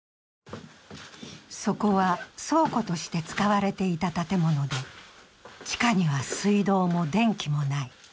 そこは倉庫として使われていた建物で、地下には水道も電気もない。